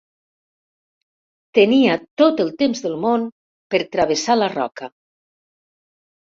Tenia tot el temps del món per travessar la roca.